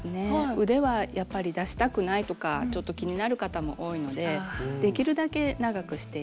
腕はやっぱり出したくないとかちょっと気になる方も多いのでできるだけ長くしています。